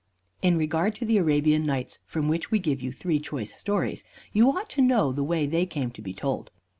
In regard to the "Arabian Nights," from which we give you three choice stories, you ought to know the way they came to be told.